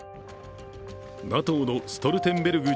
ＮＡＴＯのストルテンベルグ